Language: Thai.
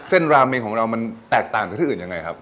ราเมงของเรามันแตกต่างจากที่อื่นยังไงครับ